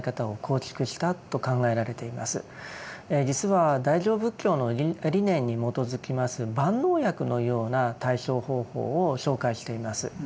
実は大乗仏教の理念に基づきます万能薬のような対処方法を紹介しています。